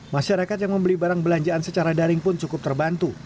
masyarakat yang membeli barang belanjaan secara daring pun cukup terbantu